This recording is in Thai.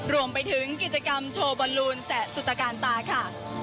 รวมไปถึงกิจกรรมโชว์บอลลูนแสะสุตการตาค่ะ